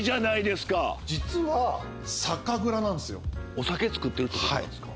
お酒造ってるってことなんですか？